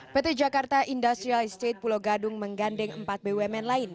pt jakarta industrial estate pulau gadung menggandeng empat bumn lain